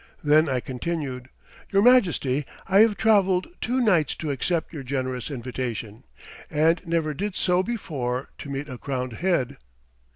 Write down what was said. Then I continued: "Your Majesty, I have traveled two nights to accept your generous invitation, and never did so before to meet a crowned head."